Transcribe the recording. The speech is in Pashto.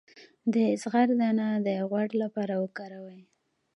د زغر دانه د غوړ لپاره وکاروئ